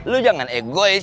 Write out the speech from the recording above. lo jangan egois